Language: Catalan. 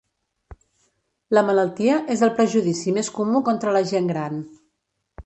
La malaltia és el prejudici més comú contra la gent gran.